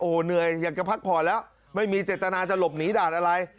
เหนื่อยอยากจะพักผ่อนแล้วไม่มีเจตนาจะหลบหนีด่านอะไร